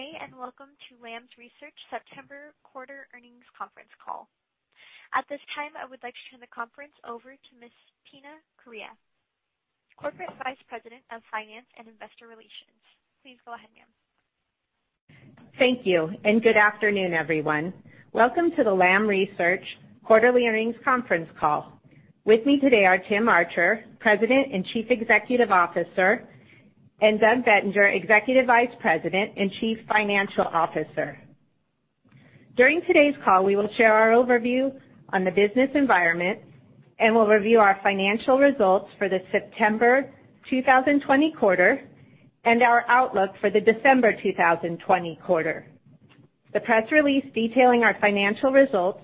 Good day. Welcome to Lam Research September quarter earnings conference call. At this time, I would like to turn the conference over to Miss Tina Correia, Corporate Vice President of Finance and Investor Relations. Please go ahead, ma'am. Thank you. Good afternoon, everyone. Welcome to the Lam Research quarterly earnings conference call. With me today are Tim Archer, President and Chief Executive Officer, and Doug Bettinger, Executive Vice President and Chief Financial Officer. During today's call, we will share our overview on the business environment, and we'll review our financial results for the September 2020 quarter and our outlook for the December 2020 quarter. The press release detailing our financial results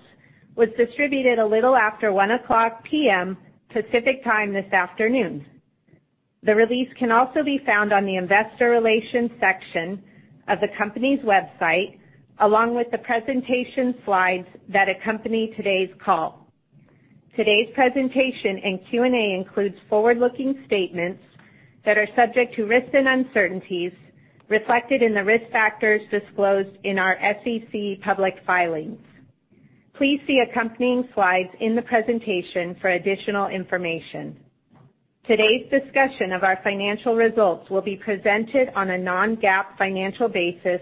was distributed a little after 1:00 P.M. Pacific Time this afternoon. The release can also be found on the Investor Relations section of the company's website, along with the presentation slides that accompany today's call. Today's presentation and Q&A includes forward-looking statements that are subject to risks and uncertainties reflected in the risk factors disclosed in our SEC public filings. Please see accompanying slides in the presentation for additional information. Today's discussion of our financial results will be presented on a non-GAAP financial basis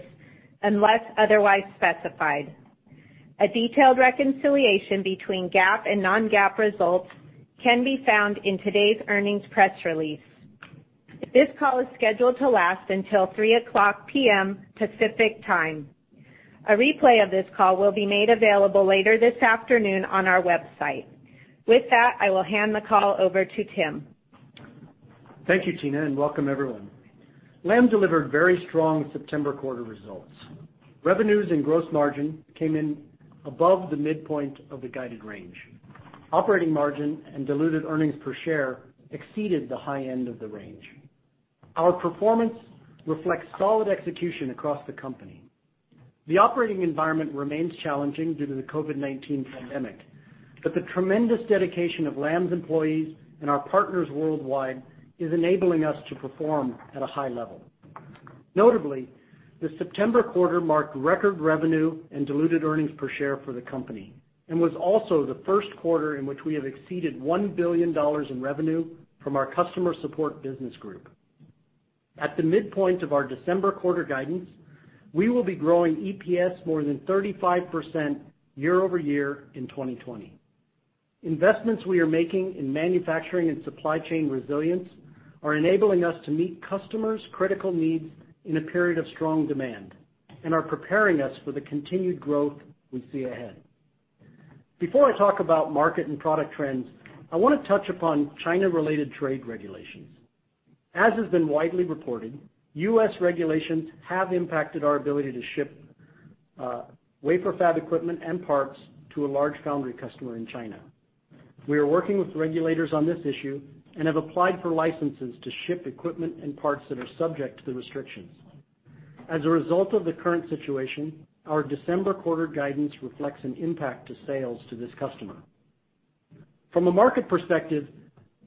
unless otherwise specified. A detailed reconciliation between GAAP and non-GAAP results can be found in today's earnings press release. This call is scheduled to last until 3:00 P.M. Pacific Time. A replay of this call will be made available later this afternoon on our website. With that, I will hand the call over to Tim. Thank you, Tina, and welcome everyone. Lam delivered very strong September quarter results. Revenues and gross margin came in above the midpoint of the guided range. Operating margin and diluted earnings per share exceeded the high end of the range. Our performance reflects solid execution across the company. The operating environment remains challenging due to the COVID-19 pandemic, but the tremendous dedication of Lam's employees and our partners worldwide is enabling us to perform at a high level. Notably, the September quarter marked record revenue and diluted earnings per share for the company, and was also the first quarter in which we have exceeded $1 billion in revenue from our Customer Support Business Group. At the midpoint of our December quarter guidance, we will be growing EPS more than 35% year-over-year in 2020. Investments we are making in manufacturing and supply chain resilience are enabling us to meet customers' critical needs in a period of strong demand and are preparing us for the continued growth we see ahead. Before I talk about market and product trends, I want to touch upon China-related trade regulations. As has been widely reported, U.S. regulations have impacted our ability to ship Wafer Fab Equipment and parts to a large foundry customer in China. We are working with regulators on this issue and have applied for licenses to ship equipment and parts that are subject to the restrictions. As a result of the current situation, our December quarter guidance reflects an impact to sales to this customer. From a market perspective,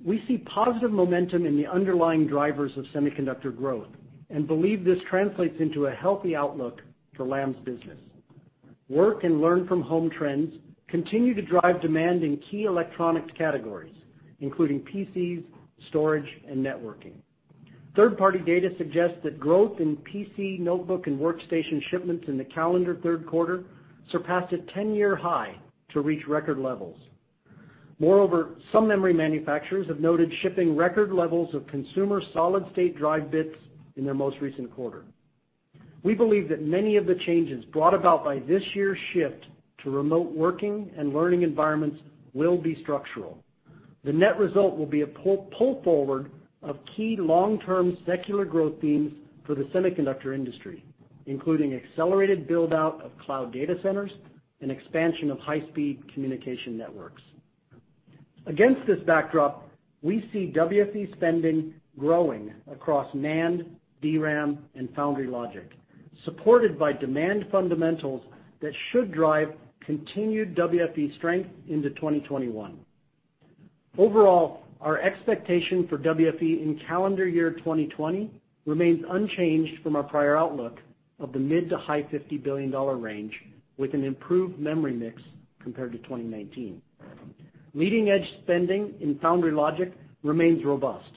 we see positive momentum in the underlying drivers of semiconductor growth and believe this translates into a healthy outlook for Lam's business. Work and learn from home trends continue to drive demand in key electronics categories, including PCs, storage, and networking. Third-party data suggests that growth in PC, notebook, and workstation shipments in the calendar third quarter surpassed a 10-year high to reach record levels. Moreover, some memory manufacturers have noted shipping record levels of consumer solid-state drive bits in their most recent quarter. We believe that many of the changes brought about by this year's shift to remote working and learning environments will be structural. The net result will be a pull forward of key long-term secular growth themes for the semiconductor industry, including accelerated build-out of cloud data centers and expansion of high-speed communication networks. Against this backdrop, we see WFE spending growing across NAND, DRAM, and foundry logic, supported by demand fundamentals that should drive continued WFE strength into 2021. Overall, our expectation for WFE in calendar year 2020 remains unchanged from our prior outlook of the mid to high $50 billion range with an improved memory mix compared to 2019. Leading-edge spending in foundry logic remains robust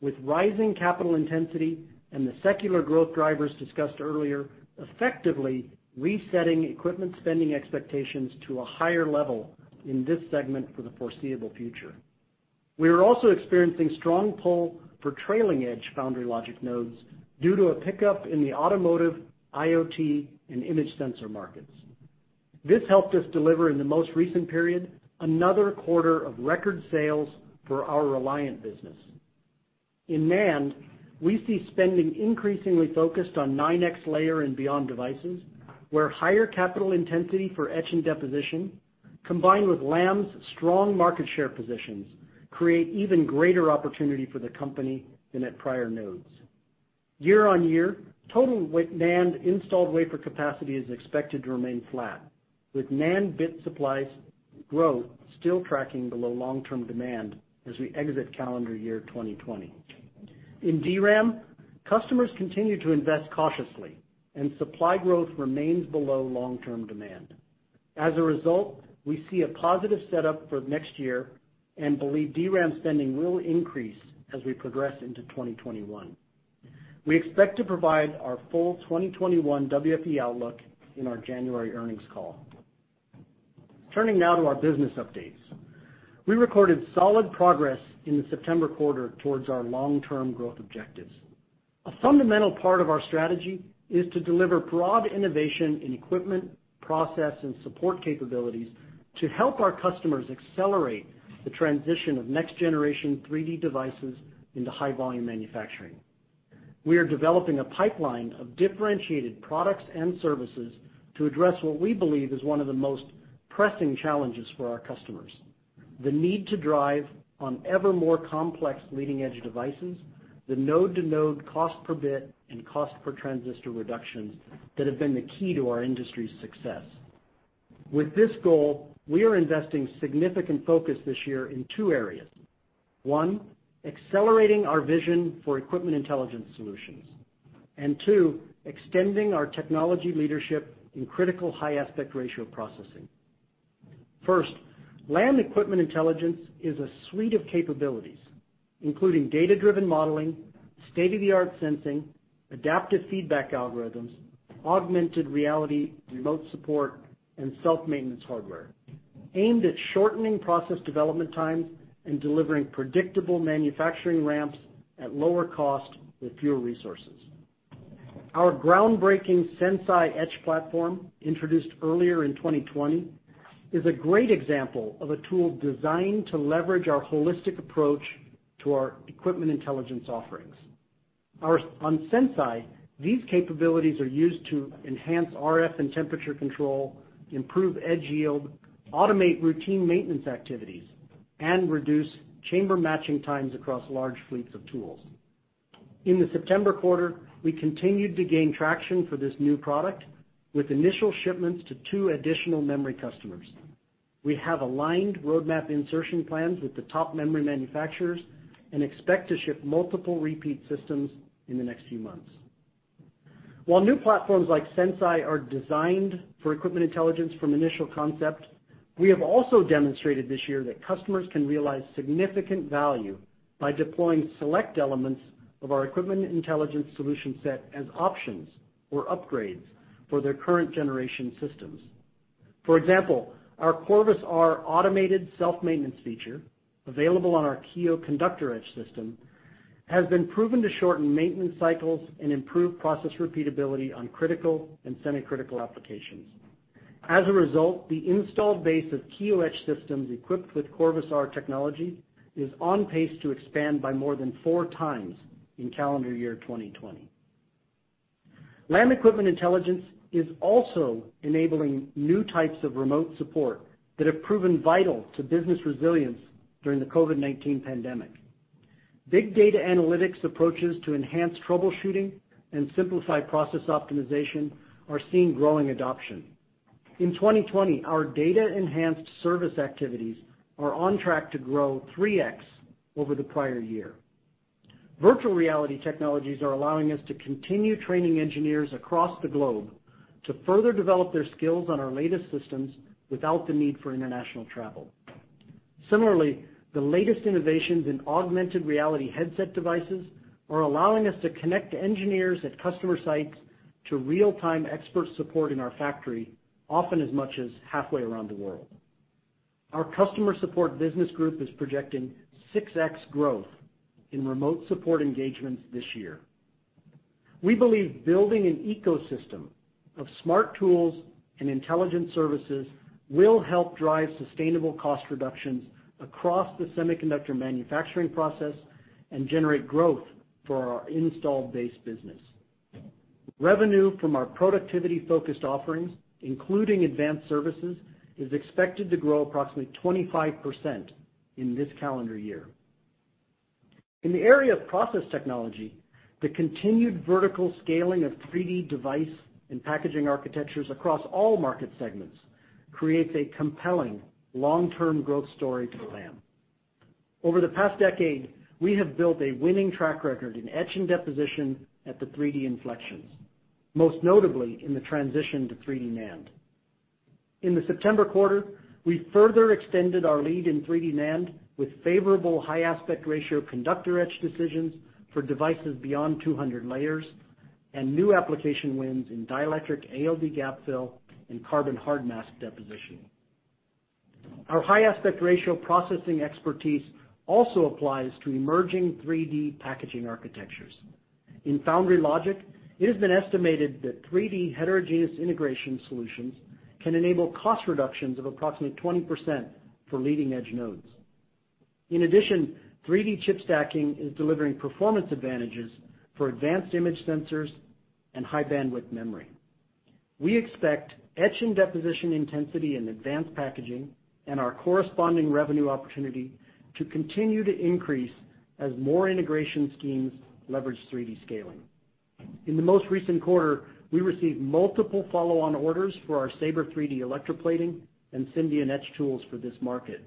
with rising capital intensity and the secular growth drivers discussed earlier effectively resetting equipment spending expectations to a higher level in this segment for the foreseeable future. We are also experiencing strong pull for trailing edge foundry logic nodes due to a pickup in the automotive, IoT, and image sensor markets. This helped us deliver in the most recent period, another quarter of record sales for our Reliant business. In NAND, we see spending increasingly focused on 9x layer and beyond devices, where higher capital intensity for etch and deposition, combined with Lam's strong market share positions, create even greater opportunity for the company than at prior nodes. Year-on-year, total NAND installed wafer capacity is expected to remain flat. With NAND bit supplies growth still tracking below long-term demand as we exit calendar year 2020. In DRAM, customers continue to invest cautiously, and supply growth remains below long-term demand. As a result, we see a positive setup for next year and believe DRAM spending will increase as we progress into 2021. We expect to provide our full 2021 WFE outlook in our January earnings call. Turning now to our business updates. We recorded solid progress in the September quarter towards our long-term growth objectives. A fundamental part of our strategy is to deliver broad innovation in equipment, process, and support capabilities to help our customers accelerate the transition of next-generation 3D devices into high-volume manufacturing. We are developing a pipeline of differentiated products and services to address what we believe is one of the most pressing challenges for our customers, the need to drive on ever more complex leading-edge devices, the node-to-node cost per bit and cost per transistor reductions that have been the key to our industry's success. With this goal, we are investing significant focus this year in two areas. One, accelerating our vision for Equipment Intelligence solutions, and two, extending our technology leadership in critical high aspect ratio processing. First, Lam Equipment Intelligence is a suite of capabilities, including data-driven modeling, state-of-the-art sensing, adaptive feedback algorithms, augmented reality, remote support, and self-maintenance hardware, aimed at shortening process development times and delivering predictable manufacturing ramps at lower cost with fewer resources. Our groundbreaking Sense.i etch platform, introduced earlier in 2020, is a great example of a tool designed to leverage our holistic approach to our Equipment Intelligence offerings. On Sense.i, these capabilities are used to enhance RF and temperature control, improve etch yield, automate routine maintenance activities, and reduce chamber matching times across large fleets of tools. In the September quarter, we continued to gain traction for this new product with initial shipments to two additional memory customers. We have aligned roadmap insertion plans with the top memory manufacturers and expect to ship multiple repeat systems in the next few months. While new platforms like Sense.i are designed for Equipment Intelligence from initial concept, we have also demonstrated this year that customers can realize significant value by deploying select elements of our Equipment Intelligence solution set as options or upgrades for their current generation systems. For example, our Corvus R automated self-maintenance feature, available on our Kiyo conductor etch system, has been proven to shorten maintenance cycles and improve process repeatability on critical and semi-critical applications. As a result, the installed base of Kiyo etch systems equipped with Corvus R technology is on pace to expand by more than 4x in calendar year 2020. Lam Equipment Intelligence is also enabling new types of remote support that have proven vital to business resilience during the COVID-19 pandemic. Big data analytics approaches to enhance troubleshooting and simplify process optimization are seeing growing adoption. In 2020, our data-enhanced service activities are on track to grow 3x over the prior year. Virtual reality technologies are allowing us to continue training engineers across the globe to further develop their skills on our latest systems without the need for international travel. Similarly, the latest innovations in augmented reality headset devices are allowing us to connect engineers at customer sites to real-time expert support in our factory, often as much as halfway around the world. Our Customer Support Business Group is projecting 6x growth in remote support engagements this year. We believe building an ecosystem of smart tools and intelligent services will help drive sustainable cost reductions across the semiconductor manufacturing process and generate growth for our installed base business. Revenue from our productivity-focused offerings, including advanced services, is expected to grow approximately 25% in this calendar year. In the area of process technology, the continued vertical scaling of 3D device and packaging architectures across all market segments creates a compelling long-term growth story for Lam. Over the past decade, we have built a winning track record in etch and deposition at the 3D inflections, most notably in the transition to 3D NAND. In the September quarter, we further extended our lead in 3D NAND with favorable high aspect ratio conductor etch decisions for devices beyond 200 layers and new application wins in dielectric ALD gap fill and carbon hard mask deposition. Our high aspect ratio processing expertise also applies to emerging 3D packaging architectures. In foundry logic, it has been estimated that 3D heterogeneous integration solutions can enable cost reductions of approximately 20% for leading-edge nodes. In addition, 3D chip stacking is delivering performance advantages for advanced image sensors and high-bandwidth memory. We expect etch and deposition intensity in advanced packaging and our corresponding revenue opportunity to continue to increase as more integration schemes leverage 3D scaling. In the most recent quarter, we received multiple follow-on orders for our SABRE 3D electroplating and Syndion etch tools for this market.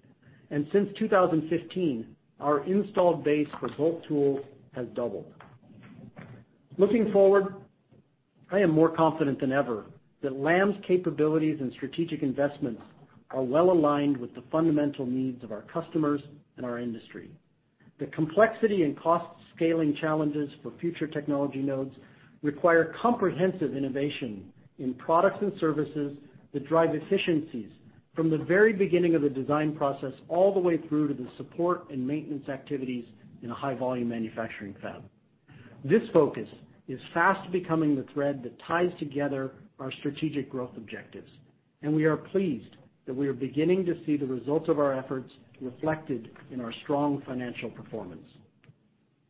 Since 2015, our installed base for Volt tools has doubled. Looking forward, I am more confident than ever that Lam's capabilities and strategic investments are well-aligned with the fundamental needs of our customers and our industry. The complexity and cost-scaling challenges for future technology nodes require comprehensive innovation in products and services that drive efficiencies from the very beginning of the design process, all the way through to the support and maintenance activities in a high-volume manufacturing fab. This focus is fast becoming the thread that ties together our strategic growth objectives, and we are pleased that we are beginning to see the results of our efforts reflected in our strong financial performance.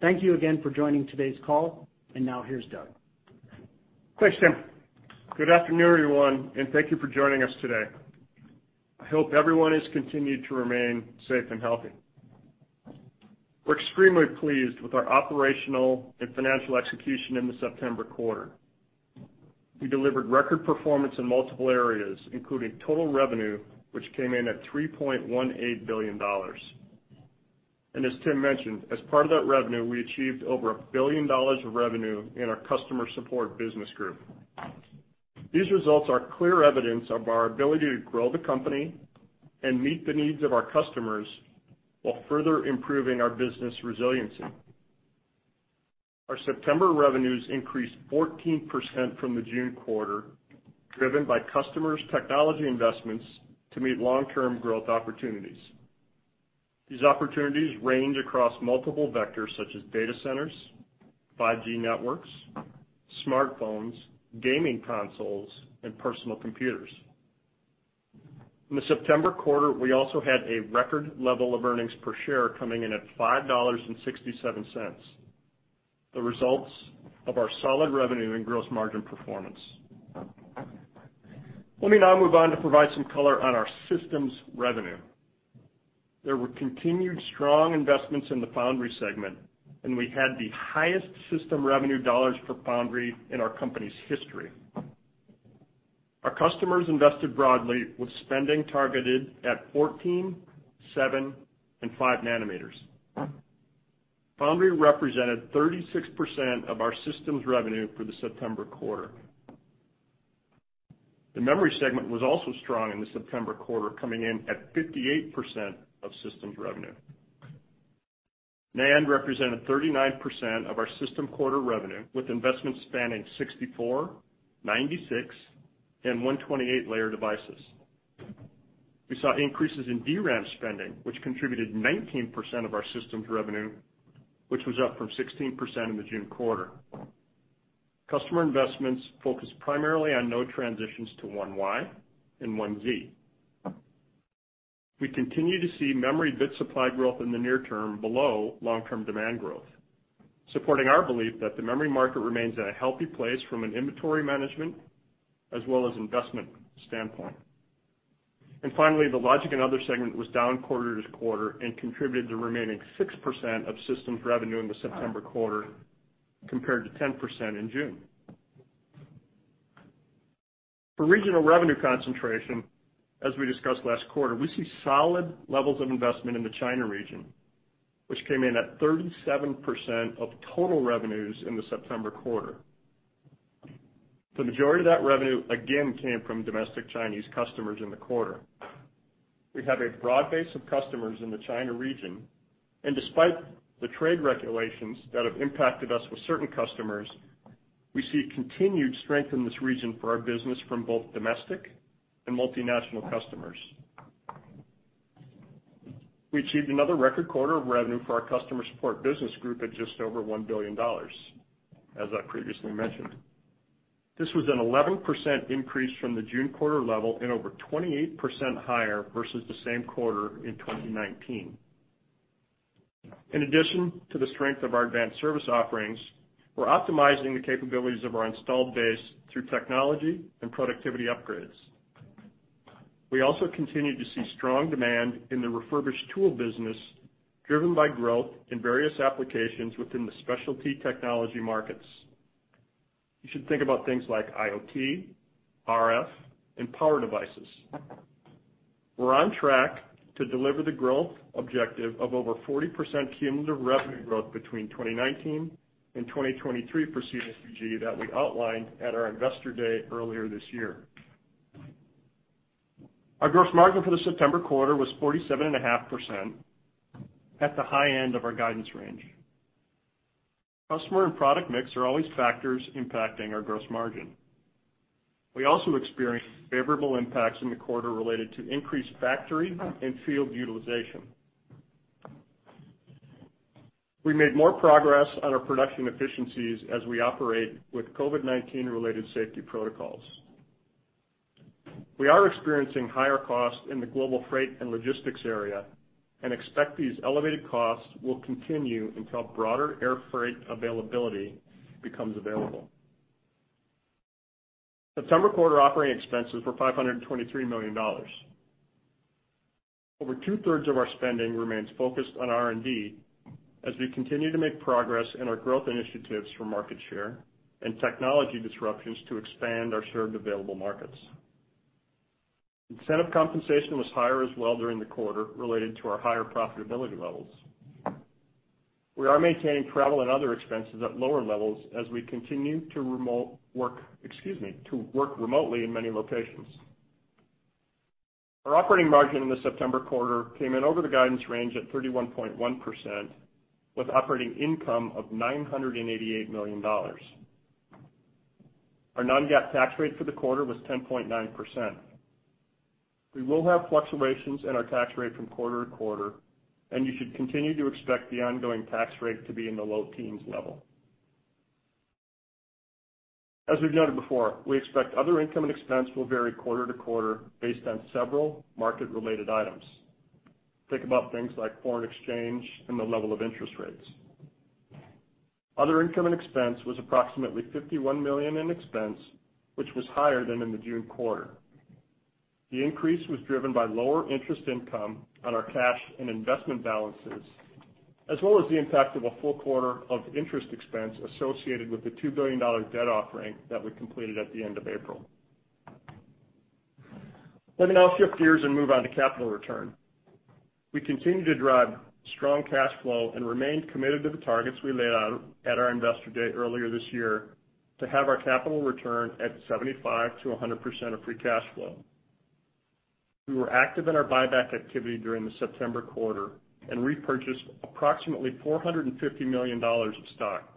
Thank you again for joining today's call, and now here's Doug. Thanks, Tim. Good afternoon, everyone. Thank you for joining us today. I hope everyone has continued to remain safe and healthy. We're extremely pleased with our operational and financial execution in the September quarter. We delivered record performance in multiple areas, including total revenue, which came in at $3.18 billion. As Tim mentioned, as part of that revenue, we achieved over $1 billion of revenue in our Customer Support Business Group. These results are clear evidence of our ability to grow the company and meet the needs of our customers while further improving our business resiliency. Our September revenues increased 14% from the June quarter, driven by customers' technology investments to meet long-term growth opportunities. These opportunities range across multiple vectors such as data centers, 5G networks, smartphones, gaming consoles, and personal computers. In the September quarter, we also had a record level of earnings per share coming in at $5.67, the results of our solid revenue and gross margin performance. Let me now move on to provide some color on our systems revenue. There were continued strong investments in the foundry segment, and we had the highest system revenue dollars for foundry in our company's history. Our customers invested broadly with spending targeted at 14, 7, and 5 nm. Foundry represented 36% of our systems revenue for the September quarter. The memory segment was also strong in the September quarter, coming in at 58% of systems revenue. NAND represented 39% of our system quarter revenue, with investments spanning 64, 96, and 128-layer devices. We saw increases in DRAM spending, which contributed 19% of our systems revenue, which was up from 16% in the June quarter. Customer investments focused primarily on node transitions to 1Y and 1Z. We continue to see memory bit supply growth in the near term below long-term demand growth, supporting our belief that the memory market remains in a healthy place from an inventory management as well as investment standpoint. Finally, the logic and other segment was down quarter-over-quarter and contributed to the remaining 6% of systems revenue in the September quarter, compared to 10% in June. For regional revenue concentration, as we discussed last quarter, we see solid levels of investment in the China region, which came in at 37% of total revenues in the September quarter. The majority of that revenue, again, came from domestic Chinese customers in the quarter. We have a broad base of customers in the China region, and despite the trade regulations that have impacted us with certain customers, we see continued strength in this region for our business from both domestic and multinational customers. We achieved another record quarter of revenue for our Customer Support Business Group at just over $1 billion, as I previously mentioned. This was an 11% increase from the June quarter level and over 28% higher versus the same quarter in 2019. In addition to the strength of our advanced service offerings, we're optimizing the capabilities of our installed base through technology and productivity upgrades. We also continue to see strong demand in the refurbished tool business, driven by growth in various applications within the specialty technology markets. You should think about things like IoT, RF, and power devices. We're on track to deliver the growth objective of over 40% cumulative revenue growth between 2019 and 2023 for CSBG that we outlined at our Investor Day earlier this year. Our gross margin for the September quarter was 47.5%, at the high end of our guidance range. Customer and product mix are always factors impacting our gross margin. We also experienced favorable impacts in the quarter related to increased factory and field utilization. We made more progress on our production efficiencies as we operate with COVID-19-related safety protocols. We are experiencing higher costs in the global freight and logistics area and expect these elevated costs will continue until broader air freight availability becomes available. September quarter operating expenses were $523 million. Over 2/3 of our spending remains focused on R&D as we continue to make progress in our growth initiatives for market share and technology disruptions to expand our served available markets. Incentive compensation was higher as well during the quarter related to our higher profitability levels. We are maintaining travel and other expenses at lower levels as we continue to remote work, excuse me, to work remotely in many locations. Our operating margin in the September quarter came in over the guidance range at 31.1%, with operating income of $988 million. Our non-GAAP tax rate for the quarter was 10.9%. We will have fluctuations in our tax rate from quarter to quarter, you should continue to expect the ongoing tax rate to be in the low teens level. As we've noted before, we expect other income and expense will vary quarter to quarter based on several market-related items. Think about things like foreign exchange and the level of interest rates. Other income and expense was approximately $51 million in expense, which was higher than in the June quarter. The increase was driven by lower interest income on our cash and investment balances, as well as the impact of a full quarter of interest expense associated with the $2 billion debt offering that we completed at the end of April. Let me now shift gears and move on to capital return. We continue to drive strong cash flow and remain committed to the targets we laid out at our Investor Day earlier this year to have our capital return at 75%-100% of free cash flow. We were active in our buyback activity during the September quarter and repurchased approximately $450 million of stock.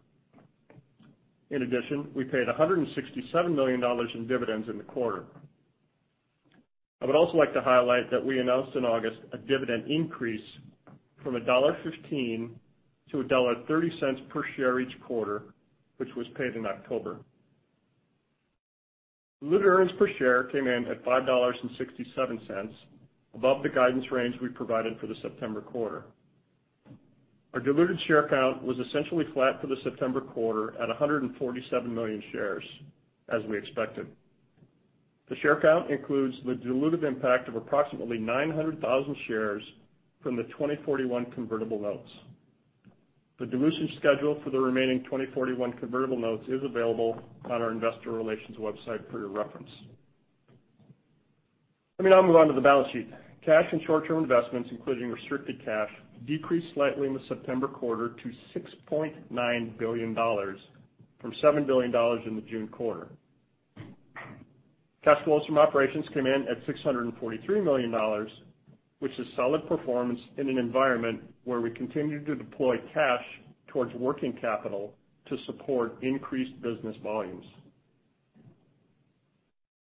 In addition, we paid $167 million in dividends in the quarter. I would also like to highlight that we announced in August a dividend increase from $1.15 to $1.30 per share each quarter, which was paid in October. Diluted earnings per share came in at $5.67, above the guidance range we provided for the September quarter. Our diluted share count was essentially flat for the September quarter at 147 million shares, as we expected. The share count includes the dilutive impact of approximately 900,000 shares from the 2041 convertible notes. The dilution schedule for the remaining 2041 convertible notes is available on our Investor Relations website for your reference. Let me now move on to the balance sheet. Cash and short-term investments, including restricted cash, decreased slightly in the September quarter to $6.9 billion from $7 billion in the June quarter. Cash flows from operations came in at $643 million, which is solid performance in an environment where we continue to deploy cash towards working capital to support increased business volumes.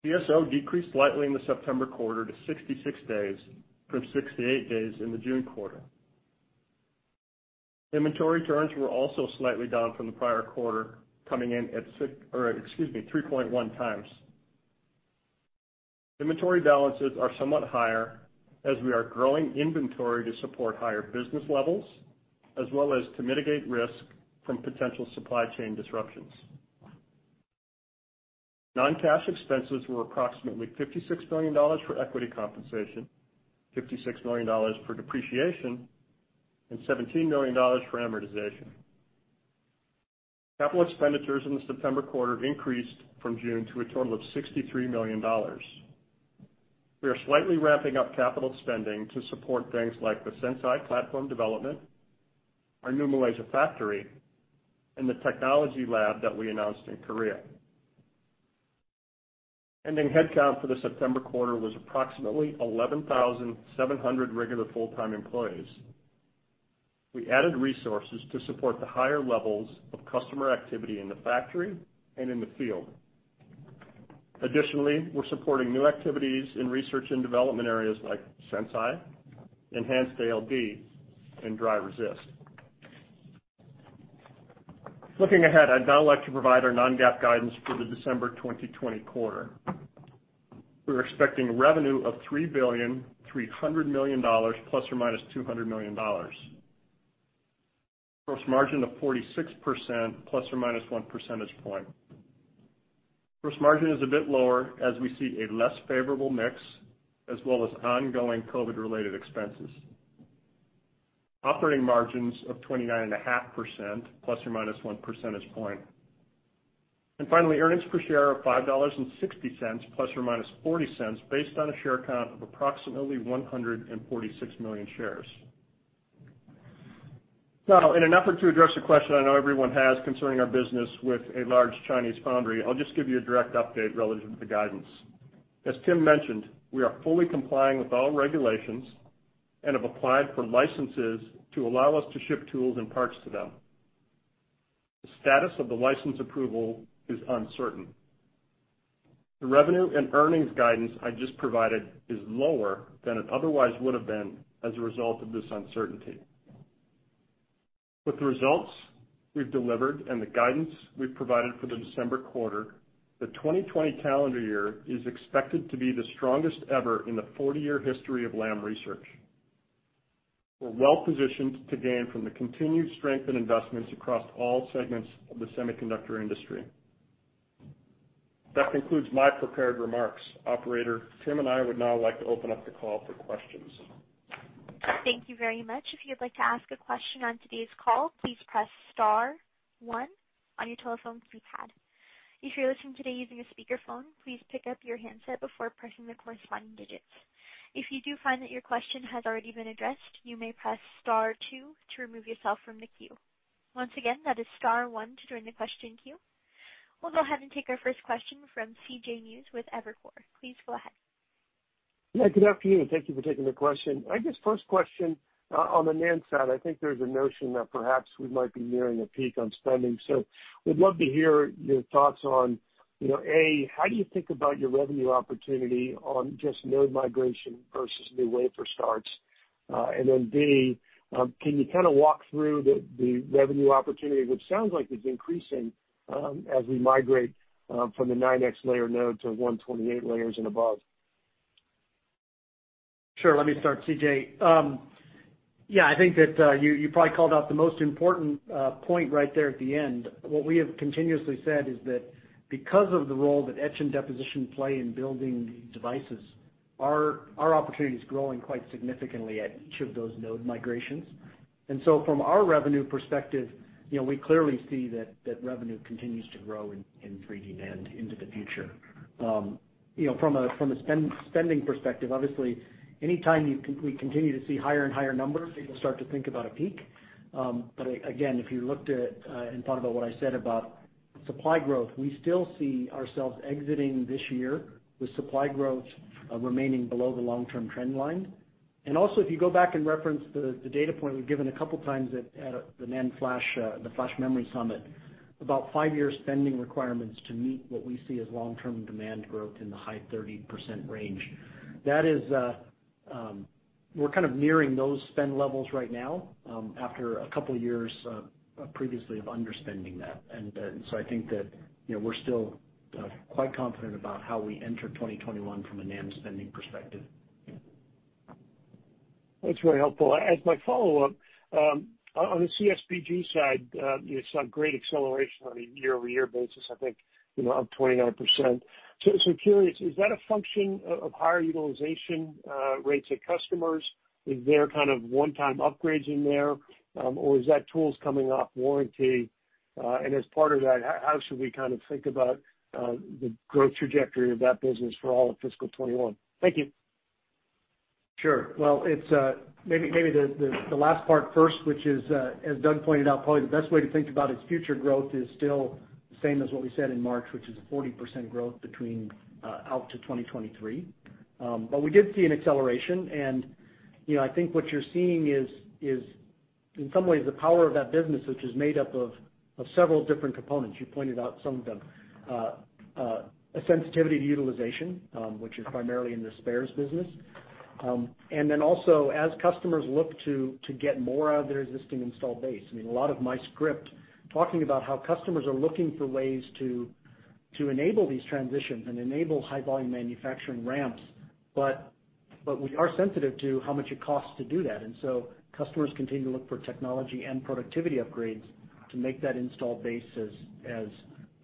DSO decreased slightly in the September quarter to 66 days from 68 days in the June quarter. Inventory turns were also slightly down from the prior quarter, coming in at 3.1x. Inventory balances are somewhat higher as we are growing inventory to support higher business levels, as well as to mitigate risk from potential supply chain disruptions. Non-cash expenses were approximately $56 million for equity compensation, $56 million for depreciation, and $17 million for amortization. Capital expenditures in the September quarter increased from June to a total of $63 million. We are slightly ramping up capital spending to support things like the Sense.i platform development, our new Malaysia factory, and the technology lab that we announced in Korea. Ending headcount for the September quarter was approximately 11,700 regular full-time employees. We added resources to support the higher levels of customer activity in the factory and in the field. Additionally, we're supporting new activities in research and development areas like Sense.i, enhanced ALD, and dry resist. Looking ahead, I'd now like to provide our non-GAAP guidance for the December 2020 quarter. We're expecting revenue of $3.3 billion, ±$200 million. Gross margin of 46%, ±1 percentage point. Gross margin is a bit lower as we see a less favorable mix, as well as ongoing COVID-related expenses. Operating margins of 29.5%, ±1 percentage point. Finally, earnings per share of $5.60, ±$0.40, based on a share count of approximately 146 million shares. Now, in an effort to address a question I know everyone has concerning our business with a large Chinese foundry, I'll just give you a direct update relative to the guidance. As Tim mentioned, we are fully complying with all regulations and have applied for licenses to allow us to ship tools and parts to them. The status of the license approval is uncertain. The revenue and earnings guidance I just provided is lower than it otherwise would have been as a result of this uncertainty. With the results we've delivered and the guidance we've provided for the December quarter, the 2020 calendar year is expected to be the strongest ever in the 40-year history of Lam Research. We're well-positioned to gain from the continued strength in investments across all segments of the semiconductor industry. That concludes my prepared remarks. Operator, Tim and I would now like to open up the call for questions. Thank you very much. If you'd like to ask a question on today's call, please press star one on your telephone keypad. If you're listening today using a speakerphone, please pick up your handset before pressing the corresponding digits. If you do find that your question has already been addressed, you may press star two to remove yourself from the queue. Once again, that is star one to join the question queue. We'll go ahead and take our first question from C.J. Muse with Evercore. Please go ahead. Yeah, good afternoon, and thank you for taking the question. I guess first question, on the NAND side, I think there's a notion that perhaps we might be nearing a peak on spending. Would love to hear your thoughts on, A, how do you think about your revenue opportunity on just node migration versus new wafer starts? B, can you kind of walk through the revenue opportunity, which sounds like it's increasing as we migrate from the 9x layer node to 128 layers and above? Sure, let me start, C.J. Yeah, I think that you probably called out the most important point right there at the end. What we have continuously said is that because of the role that etch and deposition play in building these devices, our opportunity is growing quite significantly at each of those node migrations. From our revenue perspective, we clearly see that revenue continues to grow in 3D NAND into the future. From a spending perspective, obviously, anytime we continue to see higher and higher numbers, people start to think about a peak. Again, if you looked at and thought about what I said about supply growth, we still see ourselves exiting this year with supply growth remaining below the long-term trend line. Also, if you go back and reference the data point we've given a couple times at the NAND flash, the Flash Memory Summit, about five-year spending requirements to meet what we see as long-term demand growth in the high 30% range. We're kind of nearing those spend levels right now after a couple years previously of underspending that. I think that we're still quite confident about how we enter 2021 from a NAND spending perspective. That's very helpful. As my follow-up, on the CSBG side, you saw great acceleration on a year-over-year basis, I think, up 29%. Curious, is that a function of higher utilization rates at customers? Is there kind of one-time upgrades in there? Is that tools coming off warranty? As part of that, how should we kind of think about the growth trajectory of that business for all of fiscal 2021? Thank you. Sure. Well, maybe the last part first, which is, as Doug pointed out, probably the best way to think about its future growth is still the same as what we said in March, which is 40% growth out to 2023. We did see an acceleration, and I think what you're seeing is, in some ways, the power of that business, which is made up of several different components. You pointed out some of them. A sensitivity to utilization, which is primarily in the spares business. Also, as customers look to get more out of their existing installed base. I mean, a lot of my script talking about how customers are looking for ways to enable these transitions and enable high volume manufacturing ramps. We are sensitive to how much it costs to do that. Customers continue to look for technology and productivity upgrades to make that installed base as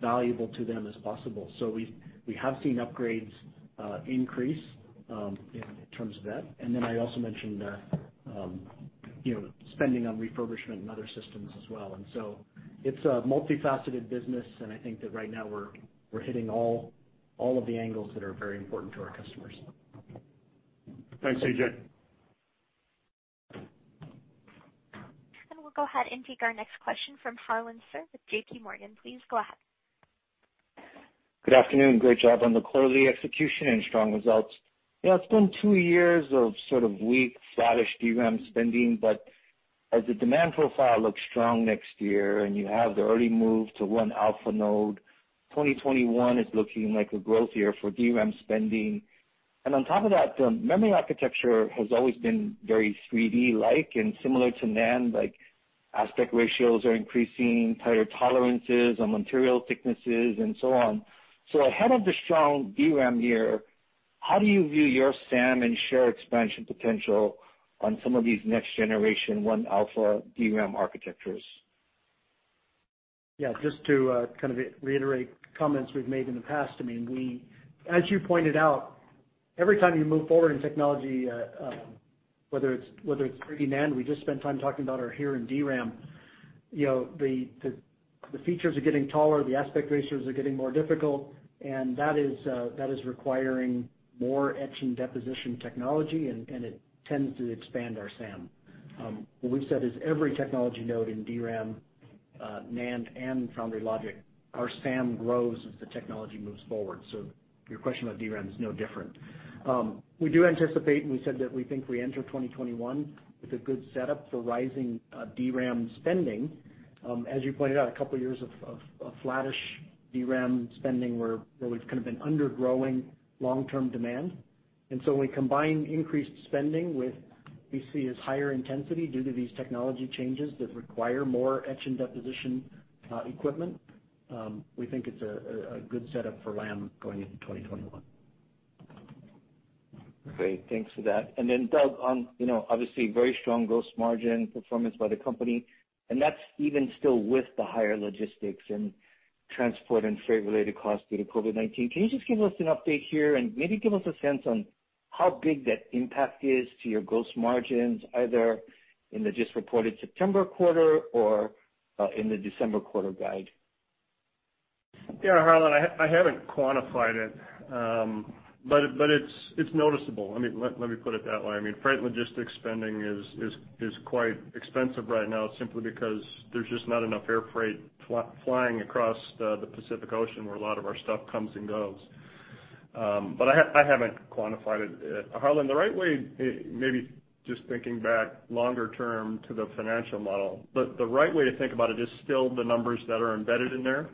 valuable to them as possible. We have seen upgrades increase in terms of that. I also mentioned spending on refurbishment and other systems as well. It's a multifaceted business, and I think that right now we're hitting all of the angles that are very important to our customers. Thanks, C.J. We'll go ahead and take our next question from Harlan Sur with JPMorgan. Please go ahead. Good afternoon. Great job on the quarterly execution and strong results. Yeah, it's been two years of sort of weak, flattish DRAM spending, but as the demand profile looks strong next year, and you have the early move to 1α node, 2021 is looking like a growth year for DRAM spending. On top of that, the memory architecture has always been very 3D-like and similar to NAND, like aspect ratios are increasing, tighter tolerances on material thicknesses, and so on. Ahead of the strong DRAM year, how do you view your SAM and share expansion potential on some of these next generation 1α DRAM architectures? Yeah, just to kind of reiterate comments we've made in the past. As you pointed out, every time you move forward in technology, whether it's 3D NAND, we just spent time talking about our here in DRAM. The features are getting taller, the aspect ratios are getting more difficult, and that is requiring more etch and deposition technology, and it tends to expand our SAM. What we've said is every technology node in DRAM, NAND, and foundry logic, our SAM grows as the technology moves forward. Your question about DRAM is no different. We do anticipate, and we said that we think we enter 2021 with a good setup for rising DRAM spending. As you pointed out, a couple years of flattish DRAM spending where we've kind of been undergrowing long-term demand. When we combine increased spending with what we see as higher intensity due to these technology changes that require more etch and deposition equipment, we think it's a good setup for Lam going into 2021. Great. Thanks for that. Then Doug, obviously very strong gross margin performance by the company, and that's even still with the higher logistics and transport and freight-related costs due to COVID-19. Can you just give us an update here and maybe give us a sense on how big that impact is to your gross margins, either in the just reported September quarter or in the December quarter guide? Harlan, I haven't quantified it. It's noticeable. Let me put it that way. Freight logistics spending is quite expensive right now simply because there's just not enough air freight flying across the Pacific Ocean, where a lot of our stuff comes and goes. I haven't quantified it, Harlan. Maybe just thinking back longer term to the financial model, but the right way to think about it is still the numbers that are embedded in there.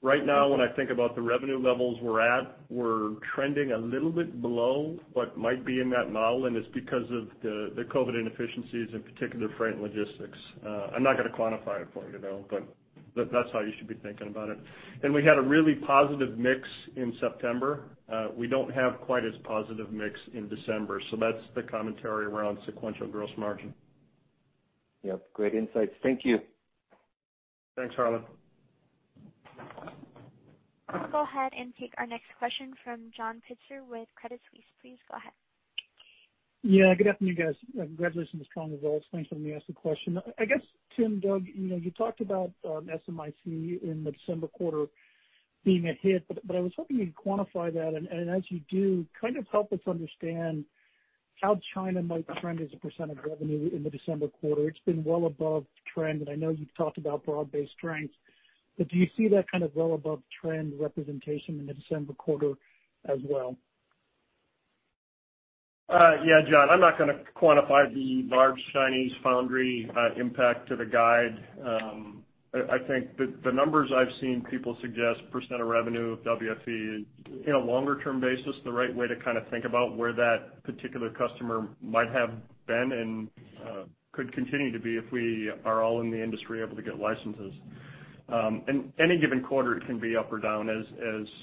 Right now, when I think about the revenue levels we're at, we're trending a little bit below what might be in that model, and it's because of the COVID-19 inefficiencies, in particular, freight and logistics. I'm not going to quantify it for you, though, but that's how you should be thinking about it. We had a really positive mix in September. We don't have quite as positive mix in December. That's the commentary around sequential gross margin. Yep, great insights. Thank you. Thanks, Harlan. I'll go ahead and take our next question from John Pitzer with Credit Suisse. Please go ahead. Yeah, good afternoon, guys. Congratulations on the strong results. Thanks for letting me ask the question. I guess, Tim, Doug, you talked about SMIC in the December quarter being a hit, but I was hoping you'd quantify that, and as you do, kind of help us understand how China might trend as a percent of revenue in the December quarter? It's been well above trend, and I know you've talked about broad-based strengths, but do you see that kind of well above trend representation in the December quarter as well? Yeah, John, I'm not going to quantify the large Chinese foundry impact to the guide. I think the numbers I've seen people suggest percent of revenue of WFE in a longer-term basis, the right way to kind of think about where that particular customer might have been and could continue to be if we are all in the industry able to get licenses. In any given quarter, it can be up or down as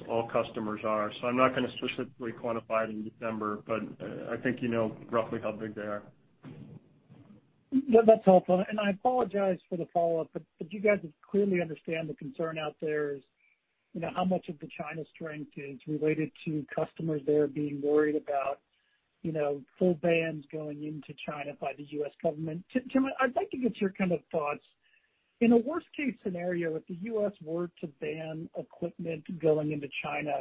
all customers are. I'm not going to specifically quantify it in December, but I think you know roughly how big they are. That's helpful. I apologize for the follow-up, but you guys clearly understand the concern out there is how much of the China strength is related to customers there being worried about full bans going into China by the U.S. government. Tim, I'd like to get your kind of thoughts. In a worst-case scenario, if the U.S. were to ban equipment going into China,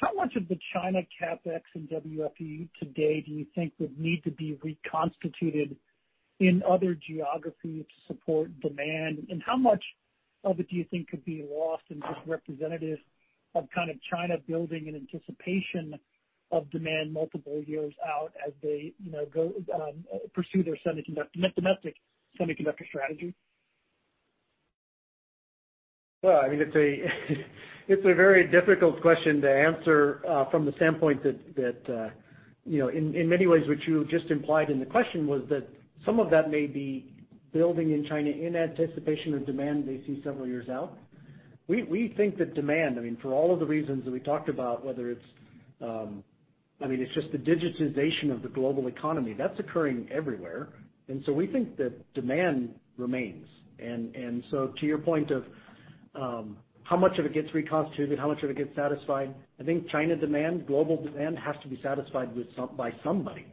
how much of the China CapEx and WFE today do you think would need to be reconstituted in other geographies to support demand? How much of it do you think could be lost and just representative of kind of China building in anticipation of demand multiple years out as they pursue their domestic semiconductor strategy? Well, it's a very difficult question to answer from the standpoint that in many ways, what you just implied in the question was that some of that may be building in China in anticipation of demand they see several years out. We think that demand, for all of the reasons that we talked about, whether it's just the digitization of the global economy, that's occurring everywhere. We think that demand remains. To your point of how much of it gets reconstituted, how much of it gets satisfied, I think China demand, global demand, has to be satisfied by somebody.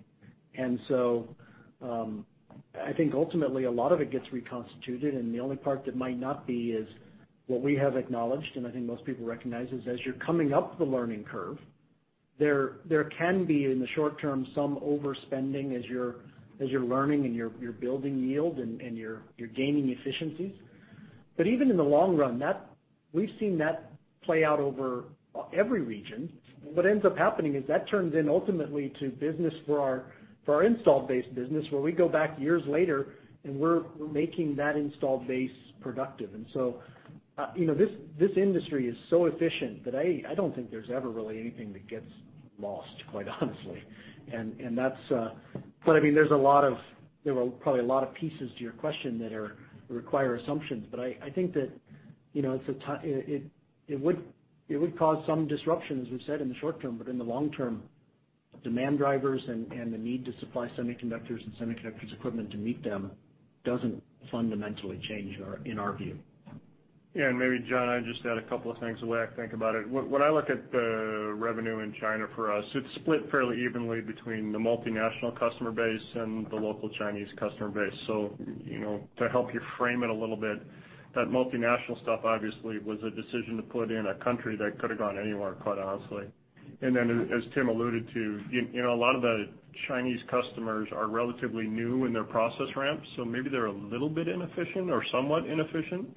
I think ultimately a lot of it gets reconstituted, and the only part that might not be is what we have acknowledged, and I think most people recognize, is as you're coming up the learning curve, there can be, in the short term, some overspending as you're learning and you're building yield, and you're gaining efficiencies. Even in the long run, we've seen that play out over every region. What ends up happening is that turns in ultimately to business for our installed base business, where we go back years later, and we're making that installed base productive. This industry is so efficient that I don't think there's ever really anything that gets lost, quite honestly. There were probably a lot of pieces to your question that require assumptions, but I think that it would cause some disruption, as we said, in the short term, but in the long term, demand drivers and the need to supply semiconductors and semiconductors equipment to meet them doesn't fundamentally change in our view. Yeah, maybe, John, I'd just add a couple of things, the way I think about it. When I look at the revenue in China for us, it's split fairly evenly between the multinational customer base and the local Chinese customer base. To help you frame it a little bit, that multinational stuff obviously was a decision to put in a country that could've gone anywhere, quite honestly. As Tim alluded to, a lot of the Chinese customers are relatively new in their process ramps, so maybe they're a little bit inefficient or somewhat inefficient.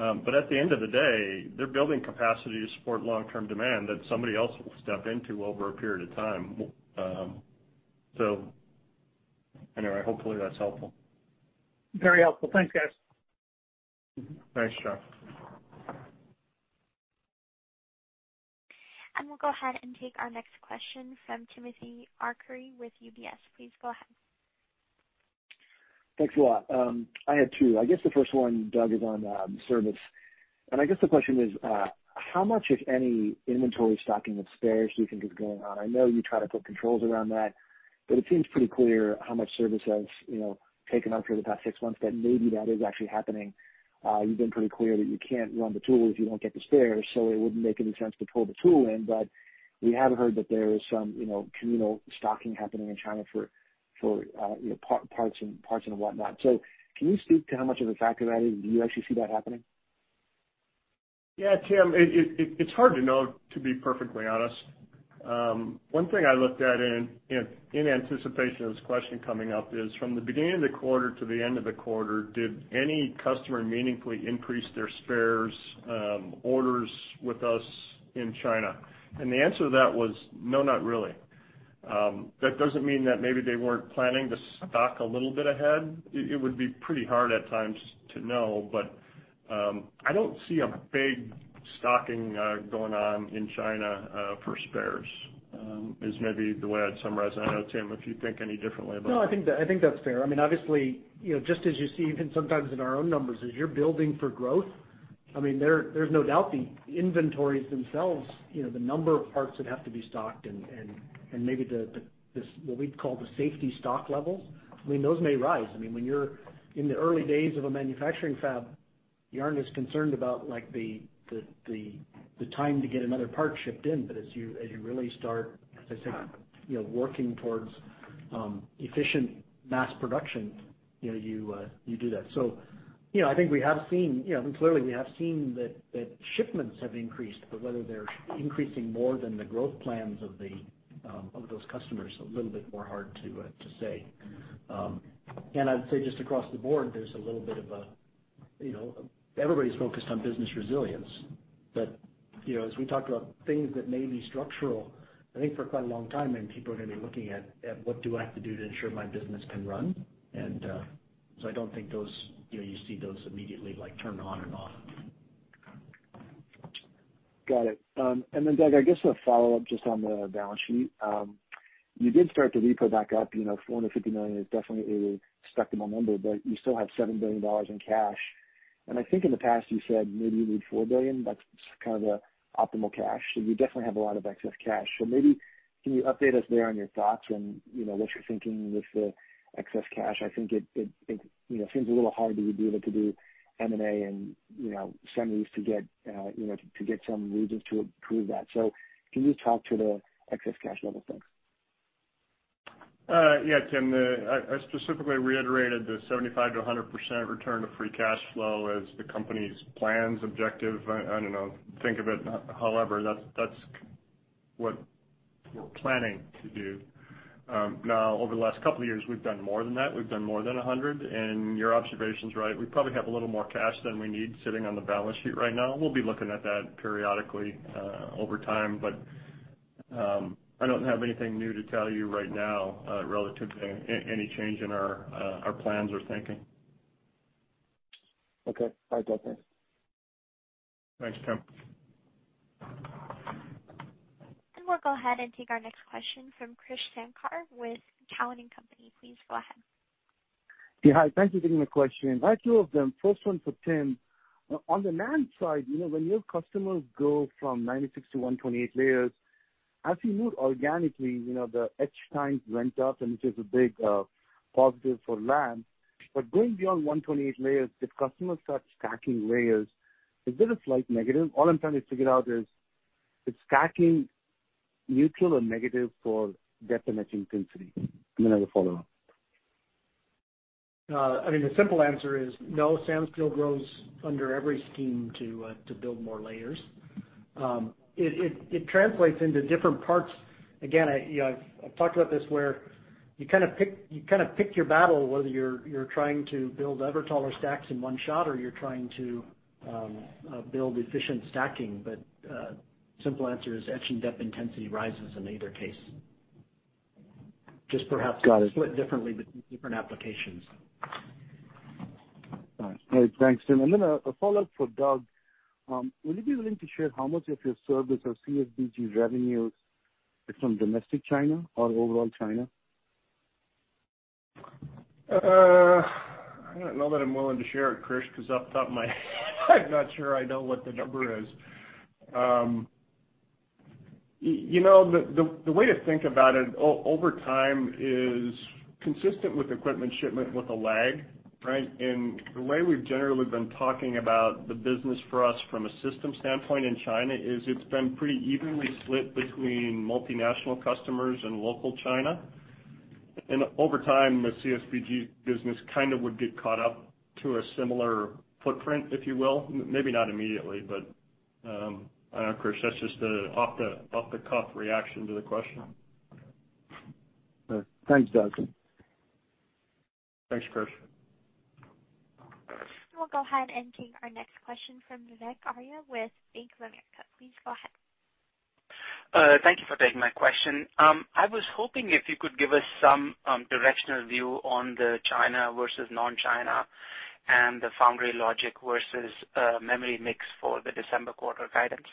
At the end of the day, they're building capacity to support long-term demand that somebody else will step into over a period of time. Anyway, hopefully that's helpful. Very helpful. Thanks, guys. Thanks, John. We'll go ahead and take our next question from Timothy Arcuri with UBS. Please go ahead, sir. Thanks a lot. I had two. I guess the first one, Doug, is on service. I guess the question is, how much, if any, inventory stocking of spares do you think is going on? I know you try to put controls around that, it seems pretty clear how much service has taken up here the past six months, that maybe that is actually happening. You've been pretty clear that you can't run the tool if you don't get the spares, it wouldn't make any sense to pull the tool in. We have heard that there is some communal stocking happening in China for parts and whatnot. Can you speak to how much of a factor that is? Do you actually see that happening? Tim, it's hard to know, to be perfectly honest. One thing I looked at in anticipation of this question coming up is from the beginning of the quarter to the end of the quarter, did any customer meaningfully increase their spares orders with us in China? The answer to that was no, not really. That doesn't mean that maybe they weren't planning to stock a little bit ahead. It would be pretty hard at times to know, but, I don't see a big stocking going on in China for spares, is maybe the way I'd summarize it. I don't know, Tim, if you think any differently about that. No, I think that's fair. Obviously, just as you see even sometimes in our own numbers, as you're building for growth, there's no doubt the inventories themselves, the number of parts that have to be stocked and maybe what we'd call the safety stock levels, those may rise. When you're in the early days of a manufacturing fab, you aren't as concerned about the time to get another part shipped in. As you really start, as I said, working towards efficient mass production, you do that. I think clearly we have seen that shipments have increased, but whether they're increasing more than the growth plans of those customers, a little bit more hard to say. I'd say just across the board, everybody's focused on business resilience. As we talked about things that may be structural, I think for quite a long time, and people are going to be looking at what do I have to do to ensure my business can run. I don't think you see those immediately turn on and off. Got it. Then Doug, I guess a follow-up just on the balance sheet. You did start the repo back up, $450 million is definitely a respectable number, you still have $7 billion in cash. I think in the past you said maybe you need $4 billion, that's kind of the optimal cash. You definitely have a lot of excess cash. Maybe can you update us there on your thoughts on what you're thinking with the excess cash? I think it seems a little harder to be able to do M&A and some use to get some regions to approve that. Can you talk to the excess cash level? Thanks. Yeah, Tim. I specifically reiterated the 75% to 100% return to free cash flow as the company's plans, objective. I don't know, think of it however, that's what we're planning to do. Over the last couple of years, we've done more than that. We've done more than 100%. Your observation's right. We probably have a little more cash than we need sitting on the balance sheet right now. We'll be looking at that periodically over time, but, I don't have anything new to tell you right now relative to any change in our plans or thinking. Okay. I get that. Thanks, Tim. We'll go ahead and take our next question from Krish Sankar with Cowen and Company. Please go ahead. Yeah. Hi. Thank you for taking my question. I have two of them. First one for Tim. On the NAND side, when your customers go from 96 to 128 layers, as you move organically, the etch times went up, and which is a big positive for Lam. Going beyond 128 layers, if customers start stacking layers, is it a slight negative? All I'm trying to figure is stacking neutral or negative for dep and etch intensity? Then I have a follow-up. The simple answer is no. SAM still grows under every scheme to build more layers. It translates into different parts. Again, I've talked about this where you kind of pick your battle, whether you're trying to build ever taller stacks in one shot or you're trying to build efficient stacking. Simple answer is etching depth intensity rises in either case. Got it. ...split differently between different applications. All right. Thanks, Tim. A follow-up for Doug. Would you be willing to share how much of your service or CSBG revenues is from domestic China or overall China? I don't know that I'm willing to share it, Krish, because off the top of my head, I'm not sure I know what the number is. The way to think about it over time is consistent with equipment shipment with a lag, right? The way we've generally been talking about the business for us from a system standpoint in China is it's been pretty evenly split between multinational customers and local China. Over time, the CSBG business kind of would get caught up to a similar footprint, if you will. Maybe not immediately, I don't know, Krish, that's just the off-the-cuff reaction to the question. Thanks, Doug. Thanks, Krish. We'll go ahead and take our next question from Vivek Arya with Bank of America. Please go ahead. Thank you for taking my question. I was hoping if you could give us some directional view on the China versus non-China and the foundry logic versus memory mix for the December quarter guidance?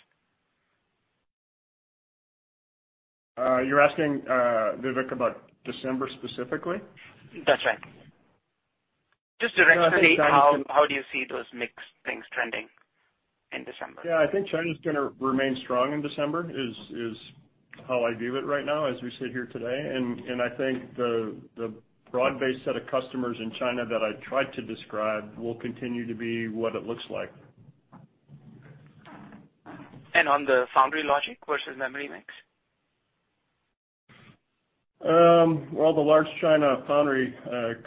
You're asking, Vivek, about December specifically? That's right. Just directionally, how do you see those mix things trending in December? Yeah, I think China's going to remain strong in December is how I view it right now as we sit here today. I think the broad-based set of customers in China that I tried to describe will continue to be what it looks like. On the foundry logic versus memory mix? Well, the large China foundry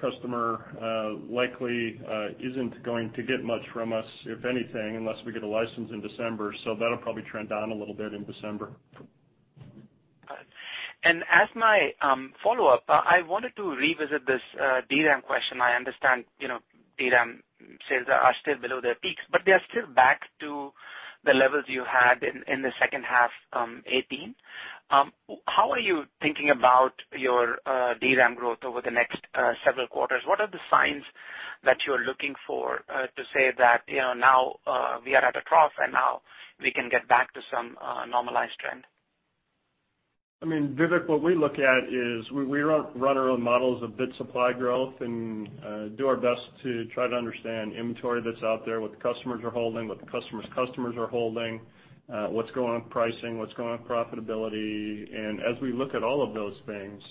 customer likely isn't going to get much from us, if anything, unless we get a license in December. That'll probably trend down a little bit in December. Got it. As my follow-up, I wanted to revisit this DRAM question. I understand DRAM sales are still below their peaks, but they are still back to the levels you had in the second half 2018. How are you thinking about your DRAM growth over the next several quarters? What are the signs that you're looking for to say that now we are at a trough, and now we can get back to some normalized trend? Vivek, what we look at is we run our own models of bit supply growth and do our best to try to understand inventory that's out there, what the customers are holding, what the customer's customers are holding, what's going on with pricing, what's going on with profitability. As we look at all of those things,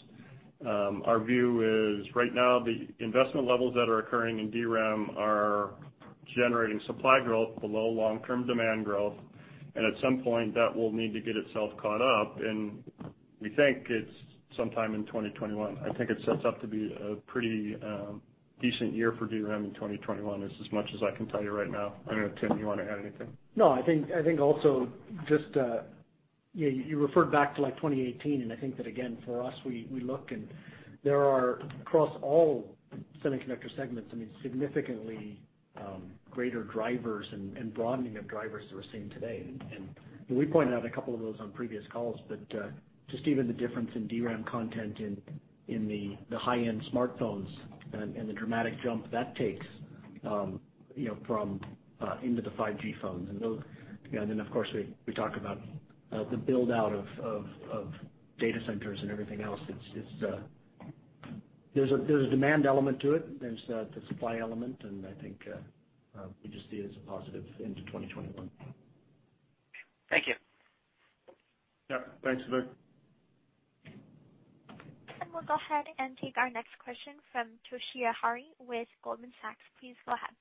our view is right now the investment levels that are occurring in DRAM are generating supply growth below long-term demand growth, and at some point that will need to get itself caught up, and we think it's sometime in 2021. I think it sets up to be a pretty decent year for DRAM in 2021 is as much as I can tell you right now. I don't know, Tim, you want to add anything? No, I think also just, you referred back to like 2018. I think that again, for us, we look and there are, across all semiconductor segments, significantly greater drivers and broadening of drivers that we're seeing today. We pointed out a couple of those on previous calls, just even the difference in DRAM content in the high-end smartphones and the dramatic jump that takes into the 5G phones. Of course, we talk about the build-out of data centers and everything else. There's a demand element to it. There's the supply element. I think we just see it as a positive into 2021. Thank you. Yeah. Thanks, Vivek. We'll go ahead and take our next question from Toshiya Hari with Goldman Sachs. Please go ahead.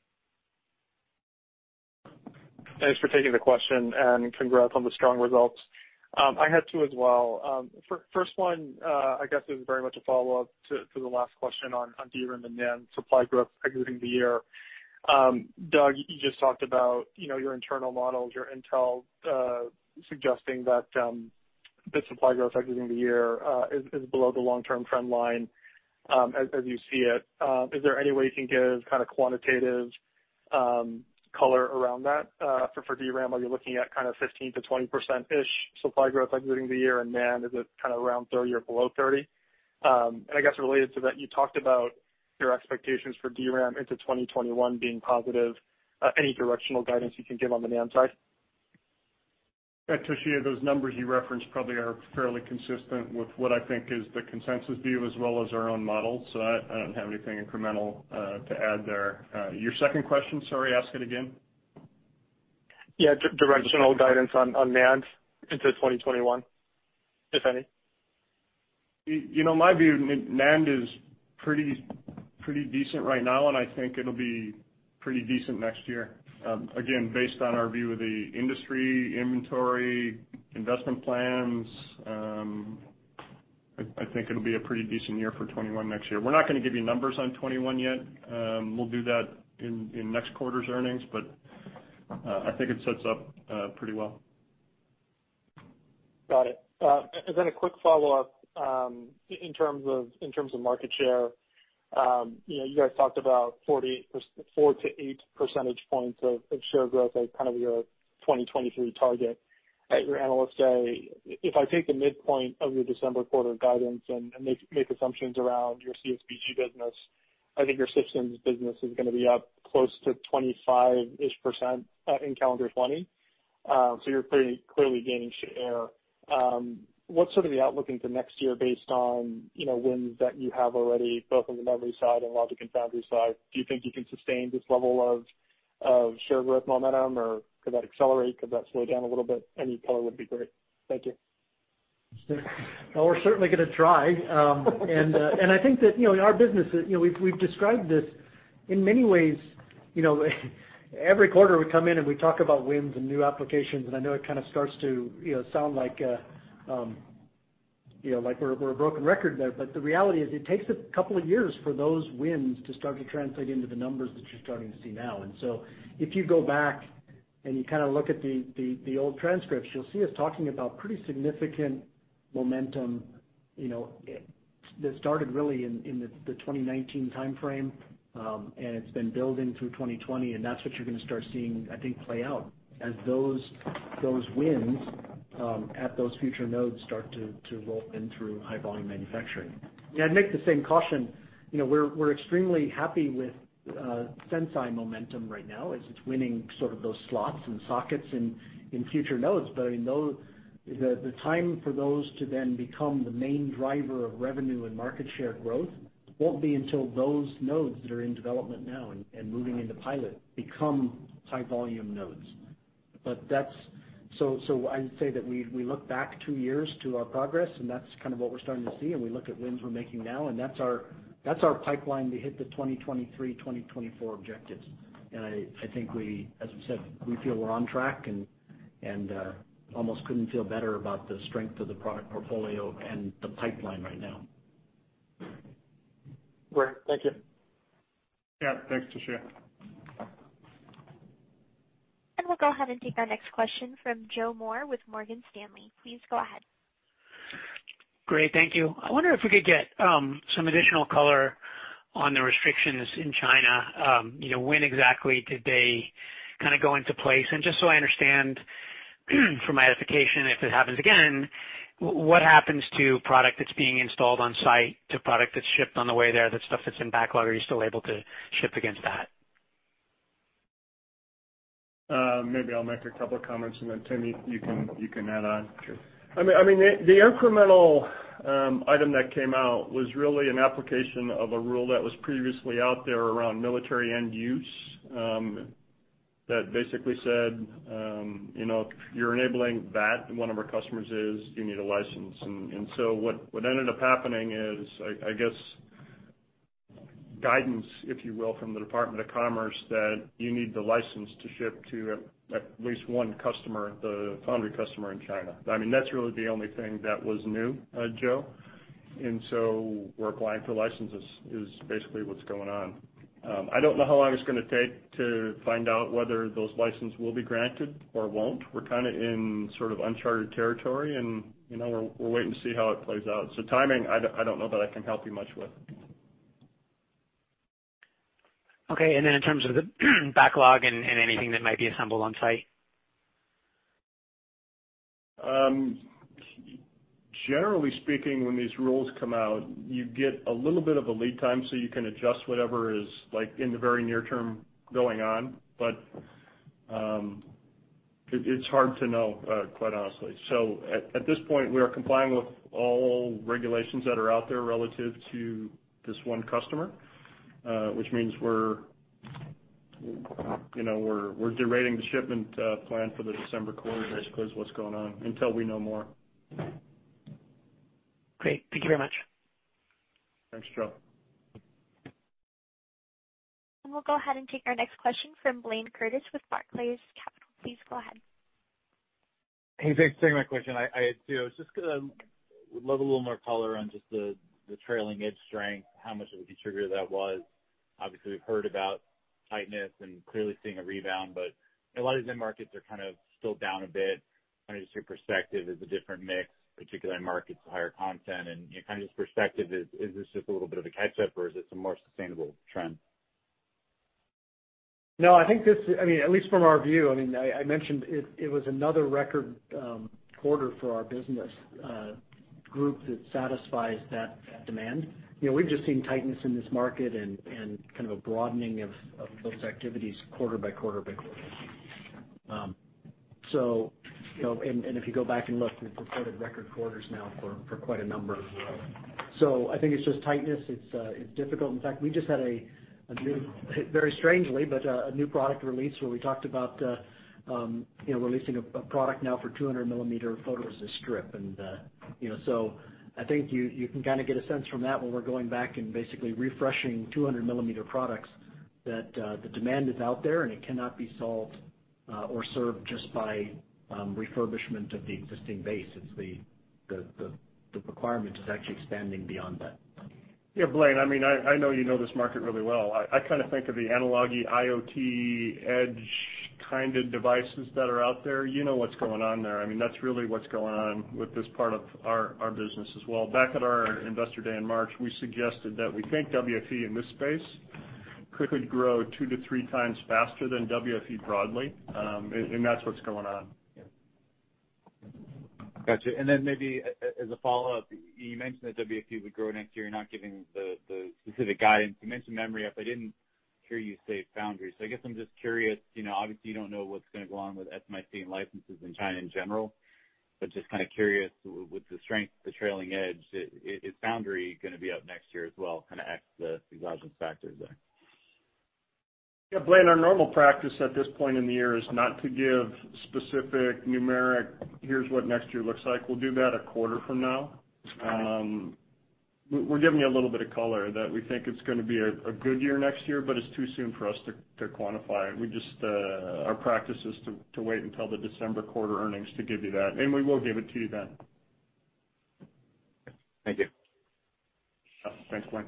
Thanks for taking the question, and congrats on the strong results. I had two as well. First one, I guess is very much a follow-up to the last question on DRAM and NAND supply growth exiting the year. Doug, you just talked about your internal models, your intel, suggesting that bit supply growth exiting the year is below the long-term trend line as you see it. Is there any way you can give kind of quantitative color around that for DRAM? Are you looking at 15%-20%-ish supply growth exiting the year? NAND, is it kind of around 30% or below 30%? I guess related to that, you talked about your expectations for DRAM into 2021 being positive. Any directional guidance you can give on the NAND side? Toshiya, those numbers you referenced probably are fairly consistent with what I think is the consensus view as well as our own model. I don't have anything incremental to add there. Your second question, sorry, ask it again. Yeah. Directional guidance on NAND into 2021, if any. My view, NAND is pretty decent right now, and I think it'll be pretty decent next year. Again, based on our view of the industry, inventory, investment plans, I think it'll be a pretty decent year for 2021 next year. We're not going to give you numbers on 2021 yet. We'll do that in next quarter's earnings. I think it sets up pretty well. Got it. A quick follow-up, in terms of market share. You guys talked about 4-8 percentage points of share growth as kind of your 2023 target at your Analyst Day. If I take the midpoint of your December quarter guidance and make assumptions around your CSBG business, I think your systems business is going to be up close to 25%-ish in calendar 2020. You're pretty clearly gaining share. What's sort of the outlook into next year based on wins that you have already, both on the memory side and logic and foundry side? Do you think you can sustain this level of share growth momentum, or could that accelerate? Could that slow down a little bit? Any color would be great. Thank you. Well, we're certainly going to try. I think that in our business, we've described this in many ways, every quarter we come in and we talk about wins and new applications, I know it kind of starts to sound like we're a broken record there. The reality is it takes a couple of years for those wins to start to translate into the numbers that you're starting to see now. If you go back and you kind of look at the old transcripts, you'll see us talking about pretty significant momentum that started really in the 2019 timeframe, it's been building through 2020, and that's what you're going to start seeing, I think, play out as those wins at those future nodes start to roll in through high-volume manufacturing. Yeah, I'd make the same caution. We're extremely happy with Sense.i momentum right now as it's winning sort of those slots and sockets in future nodes. The time for those to then become the main driver of revenue and market share growth. It won't be until those nodes that are in development now and moving into pilot become high volume nodes. I would say that we look back two years to our progress, and that's kind of what we're starting to see, and we look at wins we're making now, and that's our pipeline to hit the 2023, 2024 objectives. I think, as we said, we feel we're on track and almost couldn't feel better about the strength of the product portfolio and the pipeline right now. Great. Thank you. Yeah. Thanks, Toshiya. We'll go ahead and take our next question from Joe Moore with Morgan Stanley. Please go ahead. Great. Thank you. I wonder if we could get some additional color on the restrictions in China. When exactly did they kind of go into place? Just so I understand for my edification, if it happens again, what happens to product that's being installed on site, to product that's shipped on the way there, the stuff that's in backlog? Are you still able to ship against that? Maybe I'll make a couple comments and then Tim, you can add on. Sure. The incremental item that came out was really an application of a rule that was previously out there around military end use, that basically said, you're enabling that, and one of our customers is, you need a license. What ended up happening is, I guess, guidance, if you will, from the Department of Commerce, that you need the license to ship to at least one customer, the foundry customer in China. That's really the only thing that was new, Joe. We're applying for licenses is basically what's going on. I don't know how long it's going to take to find out whether those license will be granted or won't. We're kind of in sort of uncharted territory, and we're waiting to see how it plays out. Timing, I don't know that I can help you much with. Okay. In terms of the backlog and anything that might be assembled on site? Generally speaking, when these rules come out, you get a little bit of a lead time, you can adjust whatever is in the very near term going on. It's hard to know, quite honestly. At this point, we are complying with all regulations that are out there relative to this one customer, which means we're derating the shipment plan for the December quarter, basically, is what's going on, until we know more. Great. Thank you very much. Thanks, Joe. We'll go ahead and take our next question from Blayne Curtis with Barclays Capital. Please go ahead. Hey, thanks for taking my question. I had two. I would love a little more color on just the trailing edge strength, how much of a contributor that was. Obviously, we've heard about tightness and clearly seeing a rebound, but a lot of the end markets are kind of still down a bit. I'm interested in perspective, is a different mix, particularly in markets with higher content and kind of just perspective is this just a little bit of a catch-up or is it some more sustainable trend? No, at least from our view, I mentioned it was another record quarter for our business group that satisfies that demand. We've just seen tightness in this market and kind of a broadening of those activities quarter by quarter by quarter. If you go back and look, we've reported record quarters now for quite a number. I think it's just tightness. It's difficult. In fact, we just had, very strangely, but a new product release where we talked about releasing a product now for 200 mm photoresist strip. I think you can kind of get a sense from that when we're going back and basically refreshing 200 mm products, that the demand is out there and it cannot be solved or served just by refurbishment of the existing base. The requirement is actually expanding beyond that. Yeah, Blayne, I know you know this market really well. I kind of think of the analogy IoT edge kind of devices that are out there. You know what's going on there. That's really what's going on with this part of our business as well. Back at our Investor Day in March, we suggested that we think WFE in this space could grow 2x-3x faster than WFE broadly. That's what's going on. Yeah. Got you. Maybe as a follow-up, you mentioned that WFE would grow next year. You're not giving the specific guidance. You mentioned memory up. I didn't hear you say foundry. I guess I'm just curious, obviously you don't know what's going to go on with SMIC licenses in China in general, but just kind of curious with the strength, the trailing edge, is foundry going to be up next year as well, kind of X the exogenous factors there? Yeah, Blayne, our normal practice at this point in the year is not to give specific numeric, here's what next year looks like. We'll do that a quarter from now. We're giving you a little bit of color that we think it's going to be a good year next year, it's too soon for us to quantify it. Our practice is to wait until the December quarter earnings to give you that, we will give it to you then. Thank you. Yeah. Thanks, Blayne.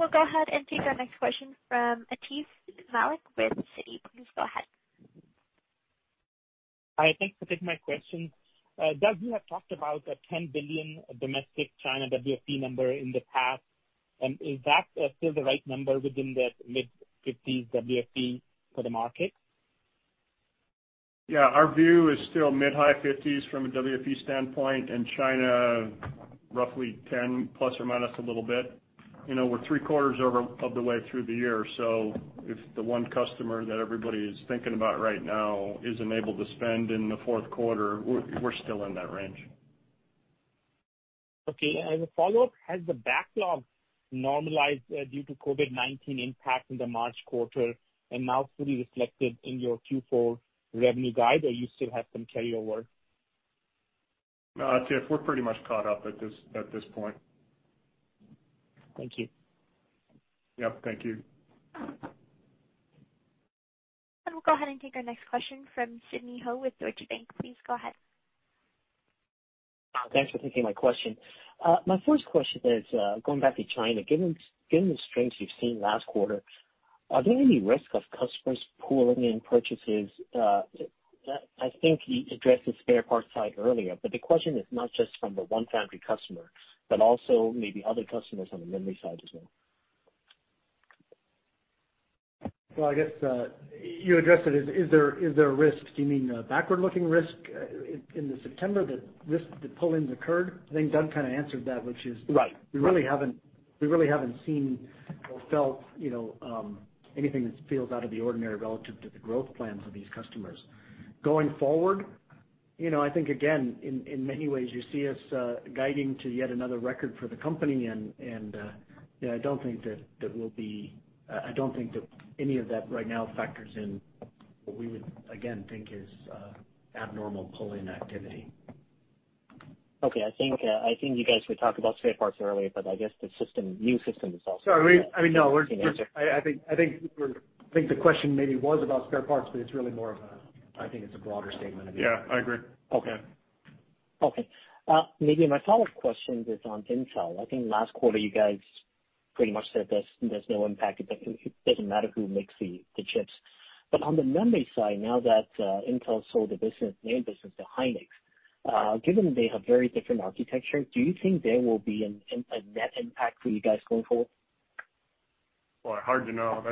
We'll go ahead and take our next question from Atif Malik with Citi. Please go ahead. Thanks for taking my question. Doug, you have talked about the $10 billion domestic China WFE number in the past. Is that still the right number within the mid-50s WFE for the market? Yeah. Our view is still mid-high 50s from a WFE standpoint, and China roughly 10± a little bit. We're 3/4 of the way through the year, if the one customer that everybody's thinking about right now isn't able to spend in the fourth quarter, we're still in that range. Okay. As a follow-up, has the backlog normalized due to COVID-19 impact in the March quarter and now fully reflected in your Q4 revenue guide, or you still have some carryover? Atif, we're pretty much caught up at this point. Thank you. Yep, thank you. We'll go ahead and take our next question from Sidney Ho with Deutsche Bank. Please go ahead. Thanks for taking my question. My first question is, going back to China, given the strengths you've seen last quarter, are there any risk of customers pulling in purchases? I think you addressed the spare parts side earlier. The question is not just from the one foundry customer, but also maybe other customers on the memory side as well. Well, I guess, you addressed it. Is there a risk? Do you mean a backward-looking risk in September that risk, the pull-ins occurred? I think Doug kind of answered that. Right We really haven't seen or felt anything that feels out of the ordinary relative to the growth plans of these customers. Going forward, I think, again, in many ways, you see us guiding to yet another record for the company. I don't think that any of that right now factors in what we would again think is abnormal pull-in activity. Okay. I think you guys would talk about spare parts earlier. I guess the new system is also. Sorry. No. I think the question maybe was about spare parts, but it's really more of a broader statement, I think. Yeah, I agree. Okay. Okay. My follow-up question is on Intel. I think last quarter you guys pretty much said there's no impact, it doesn't matter who makes the chips. On the memory side, now that Intel sold the business, main business to [SK hynix], given they have very different architecture, do you think there will be a net impact for you guys going forward? Boy, hard to know.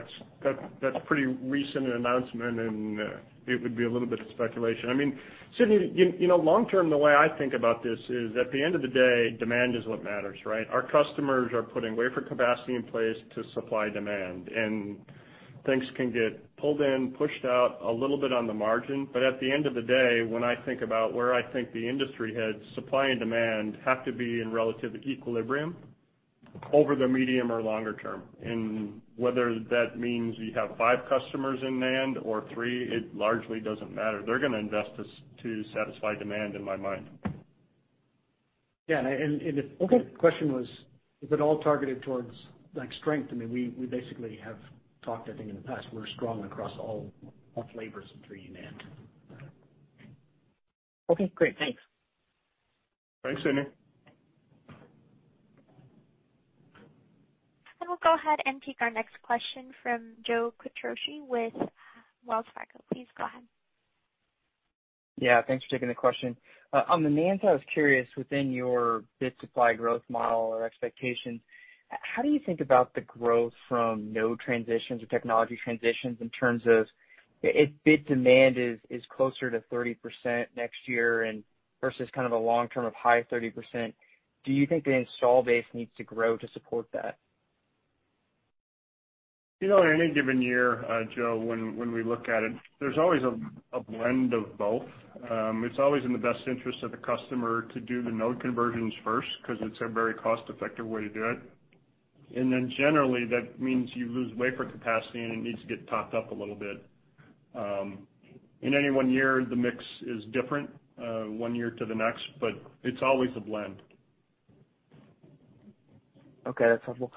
That's a pretty recent announcement, and it would be a little bit of speculation. Sidney, long term, the way I think about this is, at the end of the day, demand is what matters, right? Our customers are putting wafer capacity in place to supply demand, and things can get pulled in, pushed out a little bit on the margin. At the end of the day, when I think about where I think the industry heads, supply and demand have to be in relative equilibrium over the medium or longer term. Whether that means we have five customers in NAND or three, it largely doesn't matter. They're going to invest this to satisfy demand in my mind. Yeah. Okay The question was, is it all targeted towards strength? We basically have talked, I think in the past, we're strong across all flavors of 3D NAND. Okay, great. Thanks. Thanks, Sidney. We'll go ahead and take our next question from Joe Quatrochi with Wells Fargo. Please go ahead. Yeah, thanks for taking the question. On the NAND, I was curious within your bit supply growth model or expectations, how do you think about the growth from node transitions or technology transitions in terms of if bit demand is closer to 30% next year versus kind of a long term of high 30%, do you think the installed base needs to grow to support that? In any given year, Joe, when we look at it, there's always a blend of both. It's always in the best interest of the customer to do the node conversions first because it's a very cost-effective way to do it. Then generally, that means you lose wafer capacity, and it needs to get topped up a little bit. In any one year, the mix is different one year to the next, it's always a blend. Okay, that's helpful.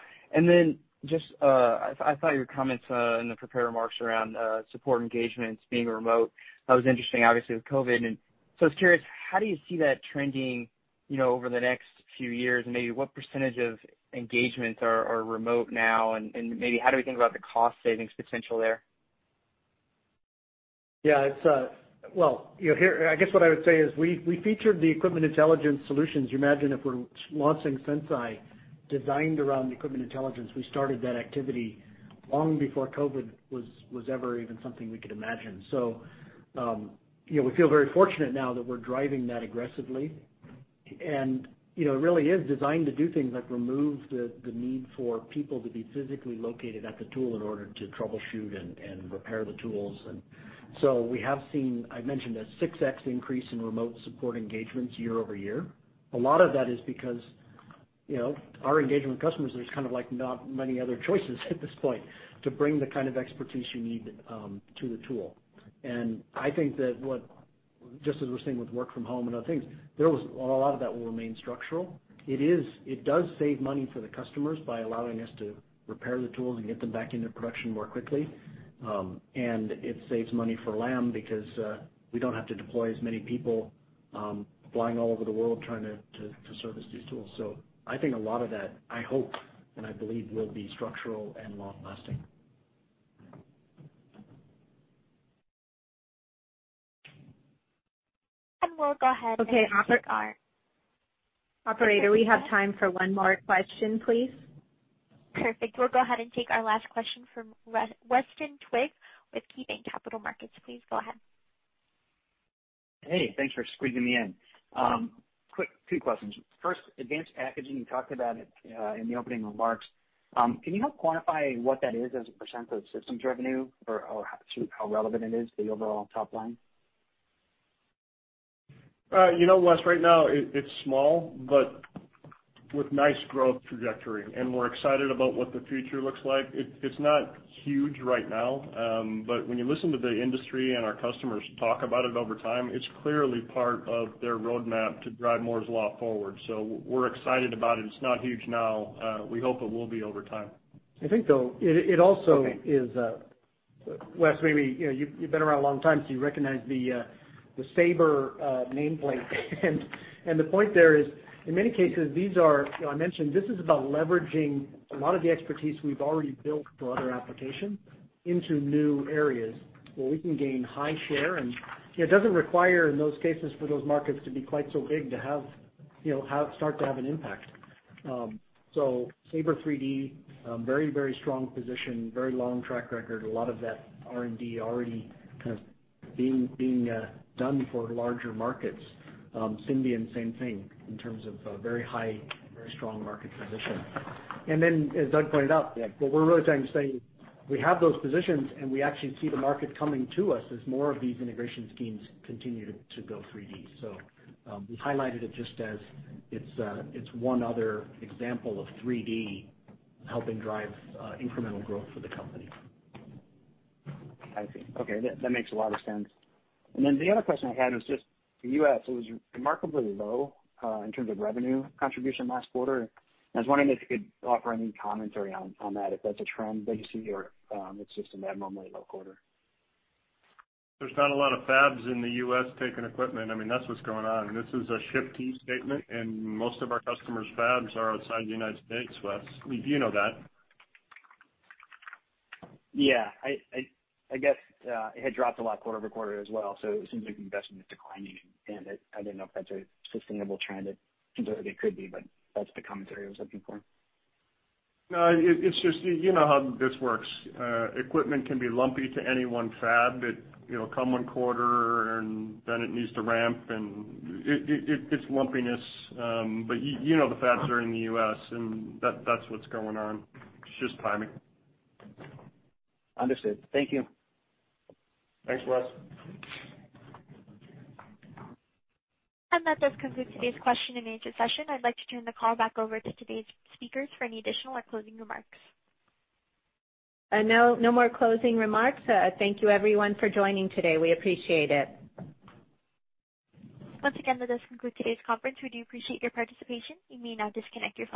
I thought your comments in the prepared remarks around support engagements being remote, that was interesting, obviously, with COVID. I was curious, how do you see that trending over the next few years? Maybe what percentage of engagements are remote now, and maybe how do we think about the cost savings potential there? Yeah. Well, I guess what I would say is we featured the Equipment Intelligence solutions. You imagine if we're launching Sense.i designed around Equipment Intelligence, we started that activity long before COVID-19 was ever even something we could imagine. We feel very fortunate now that we're driving that aggressively, and it really is designed to do things like remove the need for people to be physically located at the tool in order to troubleshoot and repair the tools. We have seen, I mentioned, a 6x increase in remote support engagements year-over-year. A lot of that is because our engagement with customers, there's kind of not many other choices at this point to bring the kind of expertise you need to the tool. I think that what, just as we're seeing with work from home and other things, a lot of that will remain structural. It does save money for the customers by allowing us to repair the tools and get them back into production more quickly. It saves money for Lam because we don't have to deploy as many people flying all over the world trying to service these tools. I think a lot of that, I hope and I believe, will be structural and long-lasting. And we'll go ahead and take our- Okay, operator, we have time for one more question, please. Perfect. We'll go ahead and take our last question from Weston Twigg with KeyBanc Capital Markets. Please go ahead. Hey, thanks for squeezing me in. Quick two questions. First, advanced packaging, you talked about it in the opening remarks. Can you help quantify what that is as a percent of systems revenue or how relevant it is to the overall top line? Wes, right now it's small, but with nice growth trajectory, and we're excited about what the future looks like. It's not huge right now. When you listen to the industry and our customers talk about it over time, it's clearly part of their roadmap to drive Moore's Law forward. We're excited about it. It's not huge now. We hope it will be over time. I think, though, Wes, maybe, you've been around a long time, so you recognize the SABRE nameplate. The point there is, in many cases, I mentioned, this is about leveraging a lot of the expertise we've already built for other applications into new areas where we can gain high share, and it doesn't require, in those cases, for those markets to be quite so big to start to have an impact. SABRE 3D, very strong position, very long track record. A lot of that R&D already kind of being done for larger markets. Syndion, same thing in terms of very high, very strong market position. As Doug pointed out. Yeah What we're really trying to say, we have those positions, and we actually see the market coming to us as more of these integration schemes continue to go 3D. We've highlighted it just as it's one other example of 3D helping drive incremental growth for the company. I see. Okay. That makes a lot of sense. The other question I had was just the U.S. It was remarkably low in terms of revenue contribution last quarter. I was wondering if you could offer any commentary on that, if that's a trend that you see or it's just an abnormally low quarter. There's not a lot of fabs in the U.S. taking equipment. That's what's going on. This is a ship-to statement, and most of our customers' fabs are outside the United States, Wes. You know that. Yeah. I guess it had dropped a lot quarter-over-quarter as well, so it seems like investment is declining, and I didn't know if that's a sustainable trend. It could be, but that's the commentary I was looking for. No. You know how this works. Equipment can be lumpy to any one fab. It'll come one quarter, and then it needs to ramp, and it's lumpiness. You know the fabs are in the U.S., and that's what's going on. It's just timing. Understood. Thank you. Thanks, Wes. That does conclude today's question and answer session. I'd like to turn the call back over to today's speakers for any additional or closing remarks. No more closing remarks. Thank you everyone for joining today. We appreciate it. Once again, that does conclude today's conference. We do appreciate your participation. You may now disconnect your phones.